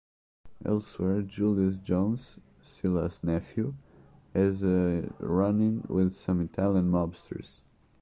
Elsewhere, Julius Jones, Silas's nephew, has a run-in with some Italian mobsters.